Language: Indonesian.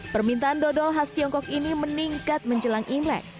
permintaan dodol khas tiongkok ini meningkat menjelang imlek